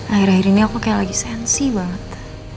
akhir akhir ini aku kayak lagi sensi banget